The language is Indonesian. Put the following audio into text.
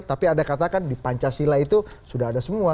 tapi anda katakan di pancasila itu sudah ada semua